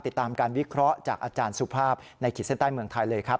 ติดตามการวิเคราะห์จากอาจารย์สุภาพในขีดเส้นใต้เมืองไทยเลยครับ